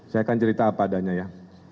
saya akan cerita apa adanya ya